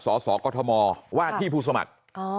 สสกมว่าที่ผู้สมัคร